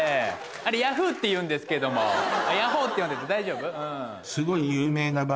あれ「ヤフー」っていうんですけども「ヤホー」って読んでて大丈夫？